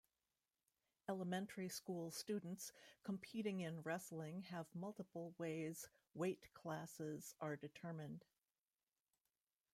Elementary school students competing in wrestling have multiple ways weight classes are determined.